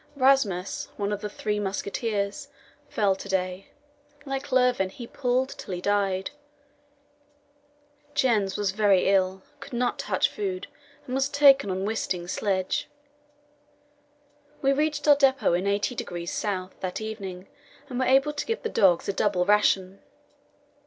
Rasmus, one of the "Three Musketeers," fell to day. Like Lurven, he pulled till he died. Jens was very ill, could not touch food, and was taken on Wisting's sledge. We reached our depot in 80° S. that evening, and were able to give the dogs a double ration.